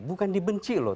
bukan dibenci loh